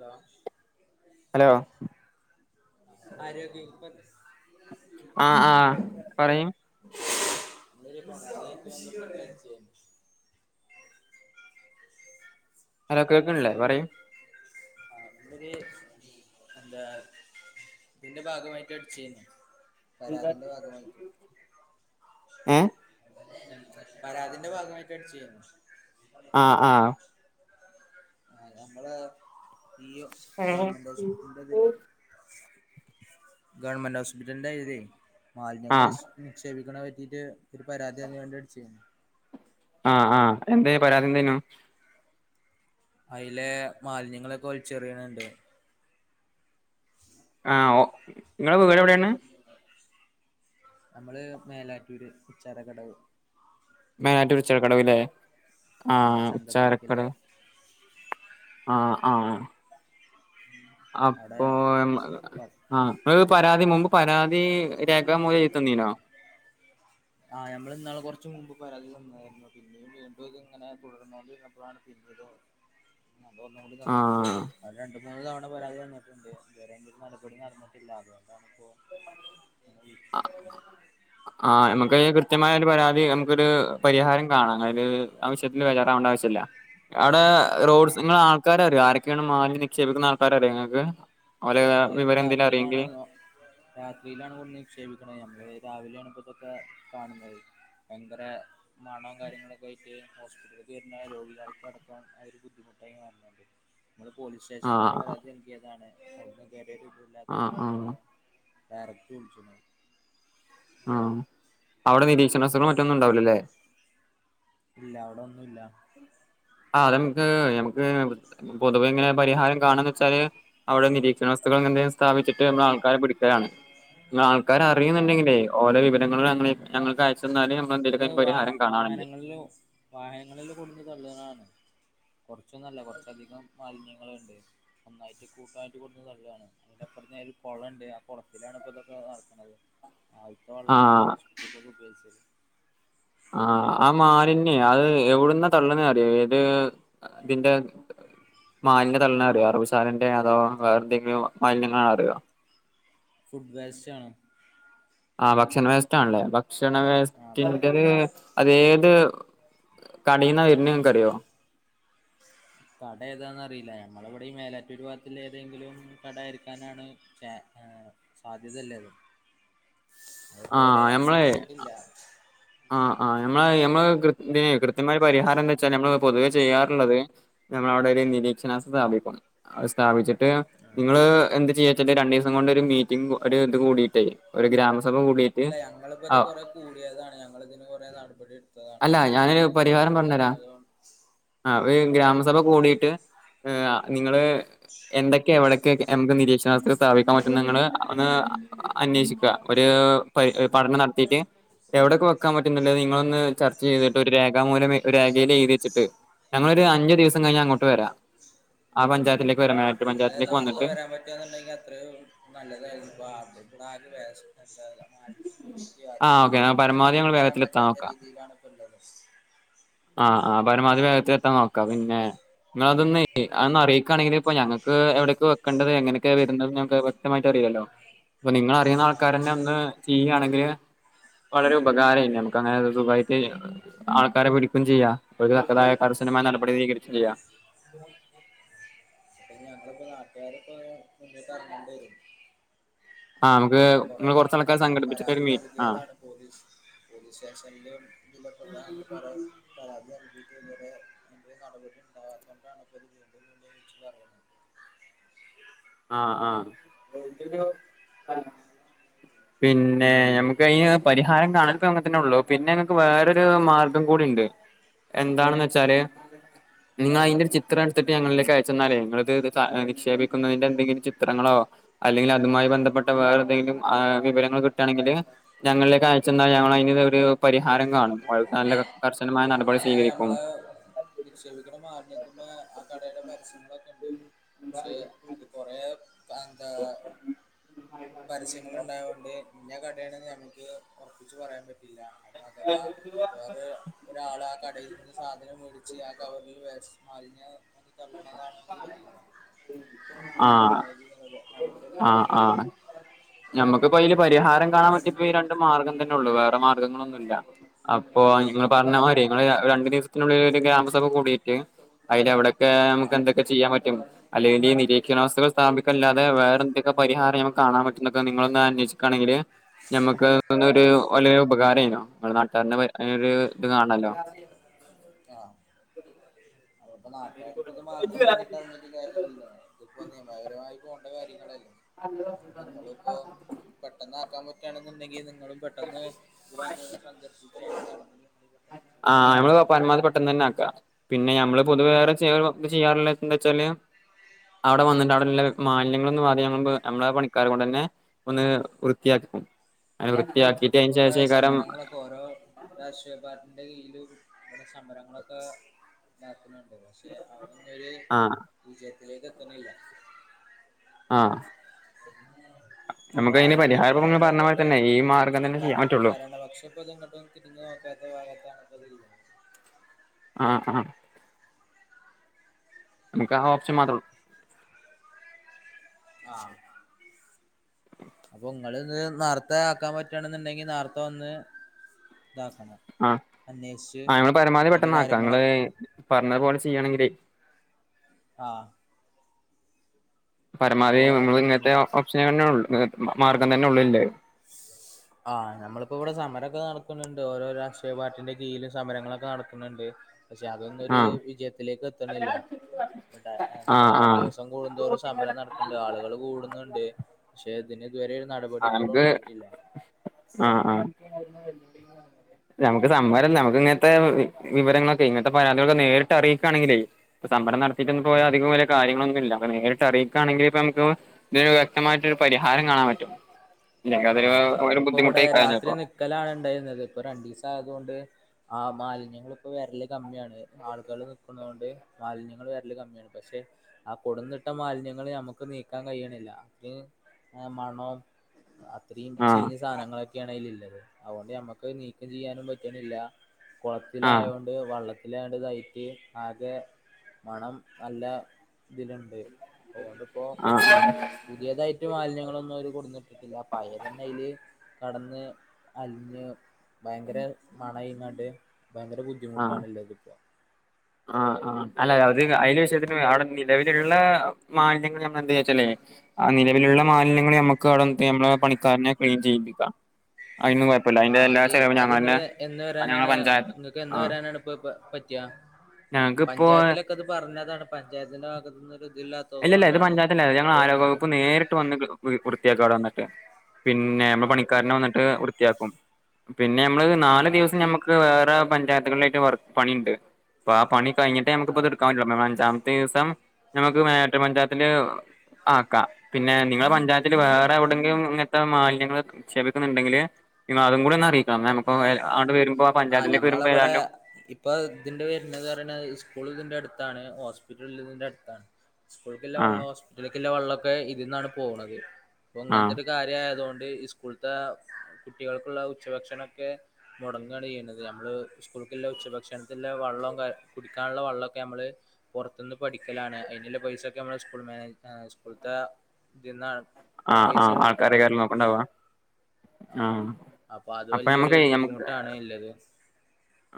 ലാ ഹലോ ആരോഗ ആഹ ആഹ പറയും [unintelligible] ഹലോ കേൾക്കണില്ലേ പറൂ ആ എ [unintelligible] എന്താ ഇതിന്റെ ഭാഗമായിട്ട് അടിച്ചുന്ന പരാതിന്റെ ഭാഗമായി ഏ പരാതിന്റെ ഭാഗമായിട്ട് അടിച്ച്യന്ന ആഹ് ആഹ നമ്മള് [unintelligible] ഈ ആഹ് ഗവൺമെന്റ് ഹോസ്പിറ്റലിന്റെതില് [unintelligible] ഗവൺമെന്റ് ഹോസ്പിറ്റലിന്റെ ഇതേ മാലിന്യങ്ങള്ൾ ആഹ് നിക്ഷേപിക്കണ പറ്റിട്ട് ഒരുര് പരാതിയ അന് വേണ്ടിയിട്ട് ചെയ്യുന്നു ആഹ് ആഹ് എന്ത് പരാതി എന്തനു അതിലെ മാലിന്യങ്ങളൊക്കെ ഒലിച്ചെറിയണുണ്ട് ആ നിങ്ങളെ വീട് എവിടെയാണ് നമ്മള് മേലാറ്റൂർ ഉച്ചാര കടവ് മെയിനായിട്ടരു ചിറക്കടവല്ലേ ആ ആഹ് ഉച്ചാരക്കട ചന്തപ്പടിക്കല്ലേ [unintelligible] ആഹ അവിടെ അപ്പൊ ആ പരാതി മുമ്പ് പരാതി രേഖാമൂലം എത്തണ്ട് ത്തീണോ ആ ഞമ്മള് ഇന്നാളെ കൊറച്ച് പരാതി വന്നായിരുന്നു പിന്നെയും വീണ്ടും ഇത് ഇങ്ങനെ തുടർന്നോണ്ട് ഇരുന്നപ്പോഴാണ് പിന്നിത് ഒന്ന് കൂടി തന്നത് ആഹ് അ രണ്ടു മൂന്ന് തവണ പരാതി തന്നിട്ടുണ്ട് ഇതുവരെ ഒരു നടപടി നടന്നിട്ടില്ല അതുകൊണ്ടണ് ഇപ്പോ ഇങ്ങനെ ആ വിളിച്ച് നിക്കണെ ആ നമുക്ക് കൃത്യമായ ഒരു പരാതി നമുക്കൊരു പരിഹാരം കാണാം അതായത് ആവശ്യത്തിൽ വെചാറ ആവശ്യമില്ല ആ ആൾക്കാരൊ അറിയോ മാലിന്യം നിക്ഷേപിക്കുന്ന ആൾക്കാരെ അറിയോ നിങ്ങൾക്ക് ഓലെ ഇല്ല അത് വിവരം എന്തേലും രാത്രിയിലാണോ അറിയെങ്കില് രാത്രിയിലാണ് കൊണ്ട് നിക്ഷേപിക്ക ഞമ്മള് രാവിലെ ആണ് ഇപ്പോതൊക്കെ കാണുന്നത് ഭയങ്കര മണവും കാര്യങ്ങളൊക്കെ ആയിട്ട് ഹോസ്പിറ്റലിൽ വരുന്ന രോഗികൾക്കടക്കം അത് ഒരു ബുദ്ധിമുട്ടായി മാറി നമ്മള് പോലീസ് സ്റ്റേഷനില ഒക്കെ ആഹ് പരാതി നൽകിയതാണ് അവിടുന്ന് ആ ആ ആർത്തും വിളിച്ചണ് ആ അവിടെ നിരീക്ഷണ അസുഖം മറ്റൊന്നും ഉണ്ടാവിലല്ലേ ഇല്ല അവിടെന്നുല്ല ആ നമുക്ക് നമുക്ക് പൊതുവെ എങ്ങനെ പരിഹാരം കാണാന്ന് വെച്ചാല് അവിടെ നിരീക്ഷണ എന്തെങ്കും സ്ഥാപിച്ചിട്ട് നമ്മ ആൾക്കാരെ പിടിക്കാനാണ് നിങ്ങൾ ആൾക്കാര് ആഹ് അറിയുന്നുണ്ടെങ്കിലെ ഓരോ വിവരങ്ങളും ഞങ്ങൾക്ക് അയച്ചു തന്നാലും നമ്മള് എന്തെങ്കും പരിഹാരം കാണാണിന് വാഹനങ്ങളിലോ വാഹനങ്ങളിലോ കൊണ്ടുന്നു തള്ളാണ് കുറച്ചൊന്നല്ല കുറച്ചധികം മാലിന്യ ണ്ട് നന്നായിട്ട് കൂട്ടായിട്ട് കൊണ്ടുന്ന് തള്ളുകാണ് പിന്നെ പറഞ്ഞാല് ഒരു കുളണ്ട് ആ കുളത്തിലാണ് ഇപ്പോ ഇതൊക്കെ നടക്കുത് ആവശ്യമുള്ള വെള്ളാണ് നമ്മൾ ആഹ് ഹോസ്പിറ്റലക്കെ ഉപയോഗി സൗണ്ട് ക്ലിയർ അല്ല ആ ആ മാലിന്യ അത് എവിടുന്ന തള്ളുന്നേ അറിയ ഏത് ഇതിൻ്റെ മാലിന്യ തള്ളന് അറിയൊ അറവുസാലന്റെ അതോ വേറെന്തെങ്കിലും മാലിന്യങ്ങളണൊ അറിയുക ഫുഡ് വേസ്റ്റ് ആണോ ആ ഭക്ഷണ വേസ്റ്റ് ആണല്ലേ ഭക്ഷണ ആ വേസ്റ്റിൻറത് അതേത് കടന്ന വരുന്ന അറിയോ കട ഏതാന്ന് അറിയില്ല ഞമ്മള് ഇവിടെ ഈ മേലാറ്റുർഭാഗത്തിൽ ഏതെങ്കിലും കട ആരിക്കാനാണ് ആ സാധ്യതല്ലേത് ആ അതുവരെ ഞമ്മളെ അന്വേഷിച്ചിട്ടില്ല ആ ആ ഞമ്മള് നമ്മള് കൃകൃത്യമായ പരിഹാരം എന്താ വെച്ചാ നമ്മള് പൊതുവെ ചെയ്യാറുള്ളത് നമ്മളവിടെ ഒരു നിരീക്ഷണ സ്ഥാപിക്കും സ്ഥാപിച്ചിട്ട് നിങ്ങള് എന്ത് ചെയ്യച്ച രണ്ട് ദിവസം കൊണ്ട് മീറ്റിംഗ് ഇത് കൂട്ടിയിട്ട് ഒരു ഗ്രാമ സഭ ഇല്ല ഞങ്ങളിപ്പോ ഇത് കൊറെ കൂടിയതാണ് ഞങ്ങളിതിന് കൊറെ നടപടി എടുത്തതാണ് അല്ല പക്ഷെ ഞാനൊരു ഇതൊന്നും ഇതുവരെ പരിഹാരം പറഞ്ഞരാം നടന്നത ആ ഒരു ഗ്രാമസഭ കൂടിയിട്ട് നിങ്ങള് എന്തൊക്കെയ എവിടയൊക്കെ നമുക്ക് നിരീക്ഷണ സ്ഥാപിക്കാൻ പറ്റന്ന് നിങ്ങള് ഒന്ന് അന്വേഷിക്കുക ഒരു പഠനം നടത്തിട്ട് എവിടെയൊക്കെ വെക്കാൻ പറ്റുന്നില്ലേ നിങ്ങളൊന്ന് ചർച്ച ചെയ്തിട്ട് ഒരു രേഖാമൂലം രേഖയി എഴു വെച്ചിട്ട് ഞങ്ങളൊരു അഞ്ചു ദിവസം കഴിഞ്ഞ് അങ്ങോട്ട് വരാം ആ പഞ്ചായത്തിലേക്ക് ആ വരാം മേട്ട് അല്ലെ പഞ്ചായത്തിലേക്ക് നാർത്ത വന്നിട്ട് വരാൻ പറ്റന്നുണ്ടെങ്കിൽ അത്ര നല്ലതായിരുന്നു ഇപ്പൊടെ ആ ഓക്കെ പരമാവധി ഞങ്ങൾ ഹോസ്പിറ്റലക്ക് വരാൻ വേഗത്തിലെത്താൻ പറ്റാത്ത നോക്കാം രീതിയിലാണ് ഉള്ളത് ആ ആ പരമാവധി വേഗത്തിൽ എത്താൻ നോക്കാം പിന്നെ നിങ്ങള് അതൊന്ന് അതൊന്ന് അറിയിക്കാണെങ്കിൽ ഇപ്പൊ ഞങ്ങ ക്ക് എവിടേക്ക് വെക്കണ്ടത് എങ്ങനൊക്കെ വരുന്നത് ഞങ്ങക്ക് വ്യക്തമായിട്ട് അറിയാല്ലോ അപ്പൊ നിങ്ങള് അറിയണ ആഹ് ആൾക്കാരന്ന് ഒന്ന് ചെയ്യുവാണെങ്കില് വളരെ ഉപകാരായി ഞമുക്ക് അങ്ങനെ സുഖായിട്ട് ആൾക്കാരെ വിളി ക്കയും ചെയ്യാ അവക്ക് തക്കതായ കർശനമായ നടപടി സ്വീകരിക്കയും ചെയ്യാം അപ്പൊ ഞങ്ങളിപ്പോ നാട്ടുകാര് ഇപ്പോ മുന്നിട്ട് എറങ്ങേണ്ടി വരും ആ നമുക്ക് കൊറേ നിങ്ങൾ തവണ കുറച്ച് ആൾക്കാരെ പരാ സംഘടിപ്പിച്ചിട്ട് പരാതി ഒരു മീ ആ നൽകിയതാണ് പോലീസ് പോലീസ് സ്റ്റേഷനിലും [unintelligible] [unintelligible] പരാതി [unintelligible] വീണ്ടും ഇങ്ങനെ [inaudible] നടപടി ഇണ്ടാവോത്താണ്ടാണ് [inaudible] [inaudible] ആഹ് ആ പിന്നെ നമുക്കൈന് പരിഹാരം കാണലിപ്പം തങ്ങനതന്നെ ഒള്ളു പിന്നെ ഇങ്ങക്ക് വേറൊരു മാർഗം കൂടി ണ്ട് എന്താണെന്ന് വെച്ചാല് നിങ്ങൾ അതിന്റെ ഒരു ചിത്രം എടുത്തിട്ട് ഞങ്ങളിലേക്ക് അയച്ചെന്നാലേ നിങ്ങളിത് നിക്ഷേപിക്കുന്നതിന്റെ എന്തെങ്കിലും ചിത്രങ്ങളോ അല്ലെങ്കിൽ അതുമായി ബന്ധപ്പെട്ട വേറെന്തെങ്കിലും ആ വിവരങ്ങൾ കിട്ടാണെങ്കിൽ ഞങ്ങളിലേക്ക് അയച്ചന്നാൽ ഞ്ഞങ്ങളൈനുള്ളൊരു പരിഹാരം കാണും [unintelligible] ശക്തമായ നടപടി മാലിന്യ സ്വകരിക്കും നമ്മളെ നിക്ഷേപിക്കണ മാലിന്യത്തിമ്മേ ആ കടേടെ പരസ്യം [inaudible] പക്ഷെ അത് കൊറേ പ്പ എന്താ പരസ്യങ്ങൾ ഇണ്ടായൊണ്ട് പിന്നെ ക ടേണന്നു ഞമ്മക്ക് ഒറപ്പിച്ച് പറയാൻ പറ്റില്ല അഥവാ വേറെ ഒരാൾ ആ കടയിൽ നിന്ന് സാധനം മേടി ച്ച് ആ കവറില് വേസ്റ്റ് മാലിന്യം [unintelligible] കാണണതാന്നും അറിയില്ല അതൊണ്ട ആ [inaudible] [unintelligible] പറഞ്ഞി വെക്കൂല നമ്മുക്ക്പ്പൈല് പരിഹാരം കാണാൻ പറ്റിയപ്പം ഈ രണ്ട് മാർഗം തന്നെ ഉള്ളൂ വേറെ മാർഗ്ഗങ്ങളൊന്നുല്ല അപ്പൊ നിങ്ങള് ആ പറഞ്ഞ മാതിരി നിങ്ങൾ രണ്ടു ദിവസത്തിനുള്ളിൽ ഒരു ഗ്രാമസഭ കൂടിയിട്ട് അതിലവിടെ ക്ക് ആ നമുക്ക് എന്തൊക്കെ ചെയ്യാൻ പറ്റും അല്ലെങ്കിൽ ഈ നിരീക്ഷണാവസ്തുകൾ സ്ഥാപിക്കല്ലാതെ വേറെന്തങ്കി പരിഹാരം നമ്മക്ക് കാണാൻ പ റ്റുന്നക്ക നിങ്ങളൊന്ന് അന്വേഷിക്കാണെങ്കില് ഞമ്മക്ക് ആ ഒരു വലിയ ഉപകാരേന്നു നമ്മ നാട്ടുകാരെനെ ഒരു ഇത് കാണല്ലോ ആ അതിപ്പോ നാട്ടുകാരിപ്പോ ഇത് മാത്രം മുന്നിട്ട് ഇറങ്ങിട്ട് കാര്യല്ലല്ലോ ഇതിപ്പോ നിയമപരമായി പോകേണ്ട കാര്യങ്ങളല്ലേ അതോണ്ട് ഇങ്ങളിപ്പോ പെട്ടെന്നാക്കാൻ പ റ്റാണെന്നുണ്ടെങ്കിൽ നിങ്ങളും പെട്ടെന്ന് ഇവിടെ വന്ന് സന്ദർശി ആഹ് നമ്മള് പരമാവധി പെട്ടെന്ന് തന്നെ ആക്കാം പിന്നെ ഞമ്മള് പൊതുവെ വേറെ വർക്ക് ചെയ്യാറില്ലാത്തതെന്താ വെച്ചാല് അവിടെ വന്നിട്ട് അവിടെള്ള മാലിന്യങ്ങളൊന്ന് [unintelligible] നമ്മളെ പണിക്കാരകൊണ്ട് തന്നെ ഒന്ന് വൃത്തിയാ ഉ അയിന് വൃത്തിയാ നമ്മളിപ്പോ ഇവിടെ സമരങ്ങളൊക്കെ ഓരോ രാഷ്ട്രീയ പാർ ട്ടീടെ കീഴിലും ഇവിടെ സമരങ്ങളൊക്കെ എണ്ടാക്കണെണ്ട് പക്ഷെ അതൊന്നരു ആഹ് വിജയത്തിലേക്ക് എത്തണില്ല ആ ഉ നമുക്ക് അതിന് പരിഹാരപ്പം ഇങ്ങള്പറഞ്ഞ പോലെ തന്നെ ഈ മാ ഭരണപക്ഷപ്പം ഈ ഭാഗത്തേക്ക് ഇങ്ങോട്ടൊന്നും തിരിഞ്ഞ് നോക്കാത്ത ഭാഗത്താണ് ഇതിപ്പളളത് ആ ആ നമുക്ക് ആ ഓപ്ശൻ മാത്രേ ഉള്ള് ആഹ് അപ്പൊ ഇങ്ങളിത് ഇന്ന് നേർത്തെ ആക്കാൻ പറ്റണെന്നുണ്ടെങ്കി നേർത്തെ വന്ന് ഇതാക്കണം ആഹ അന്വേഷിച്ച് ആ നമ്മൾ പരമാവധി അതിന്റെ പെട്ടെന്ന് ആക്കാം നിങ്ങള് കാര്യങ്ങളൊക്കെ പറഞ്ഞതു പോലെ ചെയ്യണങ്കിലേ ആഹ പരമാവധി നമ്മള് എ ഇങ്ങനത്തെ ഓപ്ഷന തന്നെ ഉള്ളൂ മാർഗ്ഗം തന്നെ ഉള്ളൂല്ലേ [inaudible] ആഹ് നമ്മളിപ്പോ ഇവിടെ സമരമൊക്കെ നടക്കുന്നുണ്ട്. ഓരോ രാഷ്ട്രീയ പാർട്ടിന്റെ കീഴിലും സമരങ്ങളൊക്കെ നടക്കുന്നുണ്ട്. പക്ഷെ അതൊന്നും ഒരു ആഹ് വിജയത്തിലേക്ക് എത്തുന്നില്ല. എന്താ ആഹ് ആഹ് ദിവസം കൂടുന്തോറും സമരം നടക്കുന്നുണ്ട്, ആളുകൾ കൂടുന്നുണ്ട് പക്ഷെ ഇതു വരേഒരു നടപടി ഇപ്പോഴും നമക്ക് ഉണ്ടായിട്ടില്ല ആ ആ നമുക്ക് സമരം നമുക്ക് ഇങ്ങനത്തെ വിവരങ്ങളൊക്കെ ഇങ്ങനത്തെ പരാതികളൊക്കെ നേരിട്ട് അറിയിക്കുകയാണെങ്കിലെ പ്പം സമരം നട റ്റൊന്ന പോയാ ആഹ് അധികം വല്യ കാര്യങ്ങളൊന്നുല്ല. നേരിട്ട് അറിയിക്കുകയാണെങ്കിൽ ഇപ്പൊനമുക്ക് ഇതിന് വ്യക്തമായിട്ട് ഒരു പരിഹാരം കാണാൻ പറ്റും. ഇല്ലെങ്കിൽ ആ അതൊരു ഒരു നമ്മളിപ്പോ ഇവിടെ ബുദ്ധിമുട്ടായി രാത്രി കഴിഞ്ഞപ്പോ നിക്കലാണ് ഉണ്ടായിരുന്നത് ഇപ്പൊ രണ്ടു ദിവസം ആയതുകൊണ്ട് ആ മാലിന്യങ്ങൾ ഇപ്പോവരല് കമ്മിയാണ് ആളുകൾ നിൽക്കുന്നത് കൊണ്ട് മാലിന്യങ്ങൾ വരല് കമ്മിയാണ്. പക്ഷെ ആ കൊടന്നിട്ട മാലിന്യങ്ങൾ നമ്മക്ക് നീക്കാൻ കഴിയണില്ല. അതിന് മണോം ഇത്രയും ആഹ് ചീഞ്ഞ സാധനങ്ങളൊക്കെയാണ് അതിൽ ഉള്ളത്. അതുകൊണ്ട് മ്മക്ക് നീക്കം ചെയ്യാനും പറ്റുന്നില്ല. ആഹ് കുളത്തിലായത് കൊണ്ട് വള്ളത്തി ലാണ്ടതായിട്ട് ആകെ മണം നല്ല ഇതിലുണ്ട്. അതോണ്ടിപ്പോ ആഹ് പുതിയതായിട്ട് മാലിന്യങ്ങളൊന്നും അവര് കൊട്ന്നിട്ടില്ല. അപയതന്നെ അതിൽ കടന്ന് അലിഞ്ഞ് ഭയങ്കര മണയിക്കാൻ ഭയങ്കര ബുദ്ധിമുട്ടാണല്ലോ ഇതിപ്പോ ആ ആ അല്ല അത് അതില് വിഷയത്തിന് അവിടെ നിലവിലുള്ള മാലിന്യങ്ങൾ നമ്മൾ എന്തയ്യാച്ചാലേ ആ നിലവിലുള്ള മാലിന്യങ്ങൾ നമ്മുക്ക് അവിടെ നമ്മളെ പണിക്കാരനെ ക്ലീൻ ചെയ്യിപ്പിക്ക. ഉ [unintelligible] അതിനൊന്നും കുഴപ്പില്ല അതിന്റെ എല്ലാ ചെലവും ഞൻതന്നെ എന്ന് ഞങ്ങള വരാനാണ് പഞ്ചായത്ത് നിങ്ങക്ക് എന്ന് ആഹ് വരാനാണ് ഇപ്പൊ പറ്റ്ക, ഞങ്ങക്കിപ്പോ പഞ്ചായത്തിലൊക്കെ അത് പറ പറഞ്ഞതാണ് പഞ്ചായത്തിന്റെ ഭാഗത്ത് നിന്ന് ഒരു ഇതില്ലാത്തത് ഇല്ല ഇല്ല ഇത് കൊണ്ടാണ് പഞ്ചായത്തിലല്ല, ഞങ്ങൾ ഇപ്പൊ നിങ്ങക്ക് ആരോഗ്യവകുപ്പ് നേരിട്ട് വന്ന് വൃത്തിയാക്ക അവിടെ വന്നിട്ട് പിന്നെ നമ്മൾ ആഹ് പണിക്കാരനെ വന്നിട്ട് വൃത്തിയാക്കും, പിന്നെ നമ്മള് നാല് ആഹ് ദിവസം ഞമ്മക്ക് വേറെ പഞ്ചായത്തുകളിലായിട്ട് വർക്ക് പണിയുണ്ട്. ആ പണി കഴിഞ്ഞിട്ട് നമുക്കത് ആഹ് എടുക്കാൻ പറ്റുള്ളൂ, അഞ്ചാമത്തെ ദിവസം ഞമ്മക്ക് [inaudible] പഞ്ചായത്തില് ആക്കാ, പിന്നെ നിങ്ങള പഞ്ചായത്ത് ഞ്ചായത്തിൽ വേറെ എവിടെയങ്കിലുംഇങ്ങനത്തെ മാലിന്യങ്ങൾ നിക്ഷപിക്കുന്നുണ്ടെങ്കിൽ അതും കൂടി അറിയിക്കി. ആ വരുമ്പോ ഞമ്മളവിടെ ഏതായാലും ഇപ്പൊ ഇതിന്റെ വരുന്നത്പറിണേ സ്കൂൾ അടുത്താണ് ഹോസ്പിറ്റലിന്റെ അടുത്താണ്. സ്കൂളിലേക്കുള്ള ആ വെള്ളോം ഹോസ്പിറ്റൽക്കുള്ള വെള്ളോം ക്കെ ഇതിൽന്നാണ് പോവുന്നത്. അപ്പൊ ആ ഇങ്ങനത്തെ ഒരു കാര്യായതുകൊണ്ട് ഈ സ്കൂൾത്തെ കുട്ടികൾക്കുള്ള ഉച്ചഭക്ഷണമൊക്കെ മുടങ്ങുകയാണ് ചെയ്യുന്നത്, നമ്മൾ സ്കൂൾക്കുള്ള ഉച്ചഭക്ഷണത്തിനുള്ള വെള്ളംഒക്കെ കുടിക്കാനുള്ള വള്ളമൊക്കെ നമ്മൾ പുറത്തുന്ന് പഠിക്കലാണ്. അതിനുള്ള പൈസ ഒക്കെ നമ്മളെ സ്കൂൾ മേനേജ് സ്കൂളത്തെ ഇതി ആഹ ആഹ് ആൾക്കാരെക്കാരം നോക്കണ്ടവാ ആ ആഹ അത് അപ്പൊ നമ്മക്ക് വലിയൊരു ബുദ്ധിമുട്ടാണ് ഇല്ലത്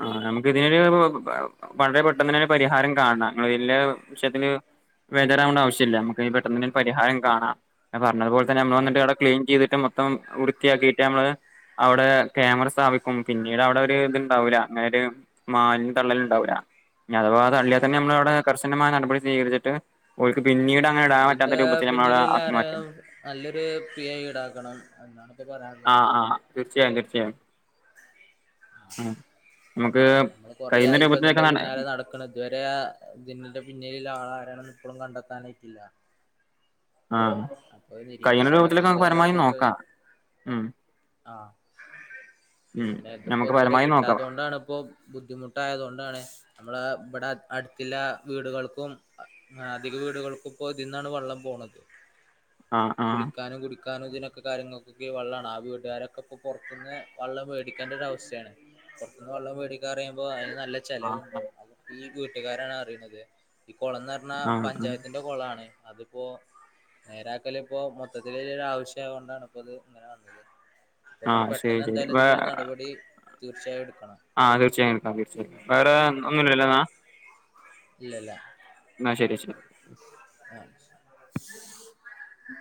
ആ നമുക്ക് ഇതിനൊരു വളരെ പെട്ടെന്ന് തന്നെ ഒരു പരിഹാരം കാണാം ല്ല്യ വിഷയത്തിന് ബേജാറാവേണ്ട ആവശ്യമില്ല നമ്മുക്ക് പെട്ടന്ന് പരിഹാരം കാണാം അ അതുപോല തന്നെ നമ്മൾ ആ വന്നിട്ടവിടെ ക്ലീൻ ചെയ്ട്ട് മം വൃത്തിയാക്കിയിട്ട് നമ്മള് അവിടെ ക്യാമറ സ്ഥാപിക്കും, പിന്നീട് അവിടെ ഒരു ഇ ണ്ടവുല അങ്ങനൊരു മാലിന്യം തള്ളലുണ്ടാവില്ല, അഥവാ തള്ളിയാൽ തന്നെ ആഹ് നമ്മളവിടെ മായ നടപടി സ്വീകരിച്ചിട്ട് ഓൽക് ഇതിന്റെ പിന്നിൽ മാറ്റും ആരായാലും നല്ലൊരു പിഴ ഈടാക്കണം എന്നാണ് ഇപ്പെ പറയാനുള്ളത്. ആആ തീർച്ചയായും തീർച്ചയായും. ഉം നമുക്ക് [unintelligible] നമ്മള് കഴിയുന്ന കൊറേയായി ഇപ്പ ഇതിന്റെ രൂപത്തിലൊക്കെ നട പിന്നാലെ നടകക്കണ് ഇതുവരെ ഇതിന്റെ പിന്നില ആള ആരാണ് എന്ന് ഇപ്പോളും കണ്ടെത്താനായിട്ടില്ല. ആഹ അപ്പൊ കയ്യണരൂപത്തിലൊക്കെ നമ്മക്ക് നിരീക്ഷണത്തിന്റെ പരമാവതി നോക്കാ ഉം. ആഹ ഉം പിന്നെ ഇത് നമുക്ക് [unintelligible] വരെ പരമാവധി കിട്ടാത്ത നോക്കാം തൊണ്ടാപ്പോബുദ്ധിമുട്ടായതോ ണ്ടാണ് നമ്മ മ്മളെ ഇവിടെ അടുത്തില്ല വീടുകൾക്കും അധിക വീടുകൾക്കും ഇപ്പോ ഇതിന്നാണ് വെള്ളം പോണത്. ആഹ് ആഹ് കുളിക്കാനും കുടിക്കാനും ഇതിനൊക്കെ കാര്യങ്ങൾക്കൊക്കെ വെള്ളാണ് ആ വീട്ട ട്ടുകാരൊക്കെ ഇപ്പപൊർത്ത്ന്ന് വെള്ളം വേടിക്കേണ്ട ഒരവസ്ഥയാണ് പൊർത്തുന്ന് വെള്ളം വേടി പറയുമ്പോ അതിന് നല്ല ചെലവുണ്ട് ആഹ് ഈ വീട്ടുകാരാണ് അറിയണത്. ഈ കൊളം ന്ന് പറഞ്ഞാ ആഹ് പഞ്ചായത്തിന്റെ കൊളാണ്. അതിപ്പോ നേരാക്കല് പ്പോ മൊത്തത്തിലൊരു ആവിശ്യാ കൊണ്ടാണ് പ്പോ ത് ഇങ്ങനെ വന്നത്. അപ്പോ ഇങ്ങള് ആഹ് ശരി പെട്ടെന്ന് ശരി എന്തായാലും വേ ഇതിന്റെ ഒരു നടപടി തീർച്ചയായും എടു ആഹ് തീർച്ചയായും എടുക്കാം തീർച്ചയായെട്ക്കാം വേറെ ഒന്നുലല്ലോന്നാ. ഇല്ല ഇല്ല. എന്ന ശരി ശ അ